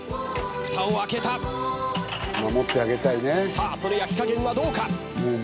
さあその焼き加減はどうか？